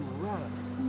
kok malah dijual